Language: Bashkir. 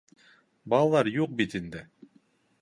Балалар юҡ бит инде.